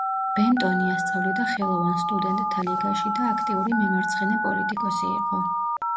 ბენტონი ასწავლიდა ხელოვან სტუდენტთა ლიგაში და აქტიური მემარცხენე პოლიტიკოსი იყო.